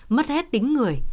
mất hết tính người